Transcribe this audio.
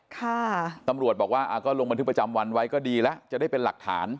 ค่ะตำรวจบอกว่าอ่าก็ลงบันทึกประจำวันไว้ก็ดีแล้วจะได้เป็นหลักฐาน